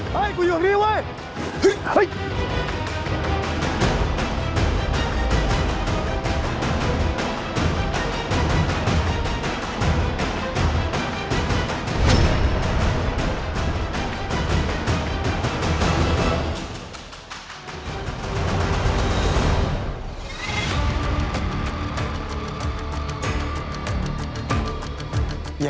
พี่แทนพี่วางตัวด้วยนะ